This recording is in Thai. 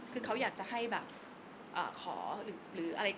คือเขาอยากจะให้แบบขอหรืออะไร